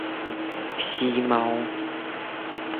吸貓